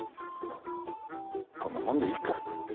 こんなもんでいいか。